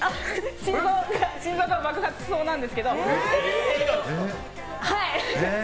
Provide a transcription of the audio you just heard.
心臓が爆発しそうなんですけど。